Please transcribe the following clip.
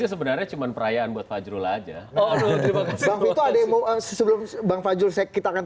sebenarnya cuman perayaan buat fajrul aja oh terima kasih sebelum bang fajrul sekitaran